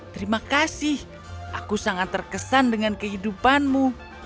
terima kasih aku sangat terkesan dengan kehidupanmu